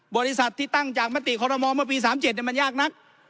บริษัทที่ตั้งจากมติคอรมอลเมื่อปี๓๗มันยากนัก